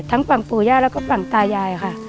ฝั่งปู่ย่าแล้วก็ฝั่งตายายค่ะ